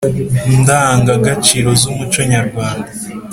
ndangagaciro z umuco nyarwanda